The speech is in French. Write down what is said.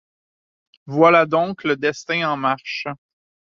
Voilà donc le destin en marche.